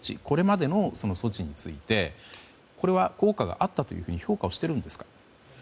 これまでの措置について効果があったというふうに評価をしているんですか？